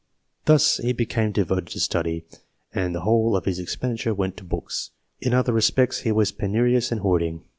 Thus he became devoted to study, and the whole of his expenditure went to books ; in other respects he was penu rious and hoarding.